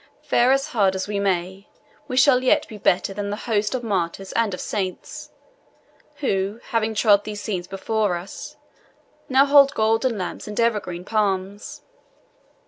Fare as hard as we may, we shall yet be better than the host of martyrs and of saints, who, having trod these scenes before us, now hold golden lamps and evergreen palms."